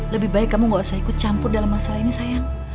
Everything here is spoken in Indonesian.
lebih baik kamu gak usah ikut campur dalam masalah ini sayang